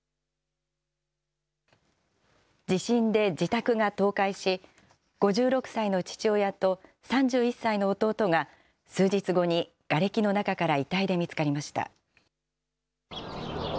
地震で自宅が倒壊し、５６歳の父親と３１歳の弟が数日後にがれきの中から遺体で見つかりました。